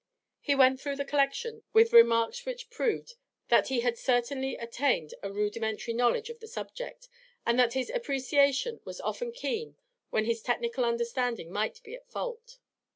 He went through the collection, with remarks which proved that he had certainly attained a rudimentary knowledge of the subject, and that his appreciation was often keen when his technical understanding might be at fault.